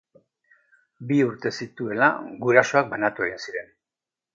Bi urte zituela gurasoak banatu egin ziren.